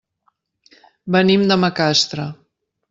Venim de Macastre.